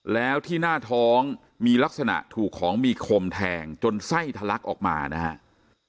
แล้วที่หน้าท้องมีลักษณะถูกของมีคมแทงจนไส้ทะลักออกมานะครับ